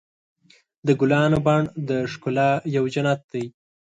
د ګلانو بڼ د ښکلا یو جنت دی.